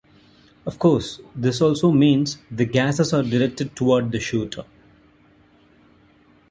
Of course, this also means the gases are directed toward the shooter.